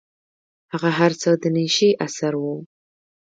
هغه هر څه د نيشې اثر و.